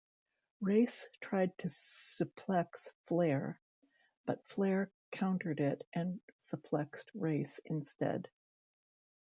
Race tried to suplex Flair, but Flair countered it and suplexed Race instead.